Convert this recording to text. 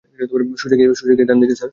সোজা গিয়ে ডানদিকে, স্যার।